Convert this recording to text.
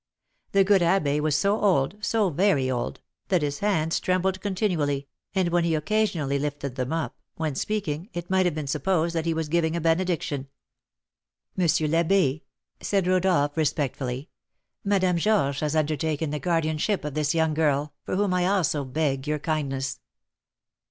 The good abbé was so old, so very old, that his hands trembled continually, and when he occasionally lifted them up, when speaking, it might have been supposed that he was giving a benediction. "M. l'Abbé," said Rodolph, respectfully, "Madame Georges has undertaken the guardianship of this young girl, for whom I also beg your kindness."